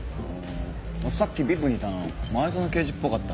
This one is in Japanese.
さっきＶＩＰにいたの前園ケイジっぽかったんだよな。